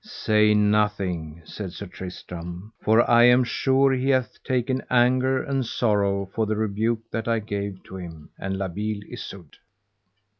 Say nothing, said Sir Tristram, for I am sure he hath taken anger and sorrow for the rebuke that I gave to him, and La Beale Isoud.